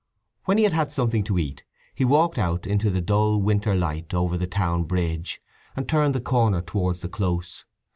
When he had had something to eat he walked out into the dull winter light over the town bridge, and turned the corner towards the Close.